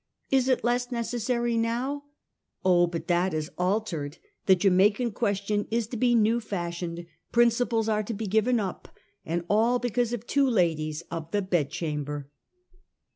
Is it less necessary now ? Oh, but that is al tered ! The Jamaica question is to be new fashioned; principles are to be given up, and all because of two ladies of the bedchamber.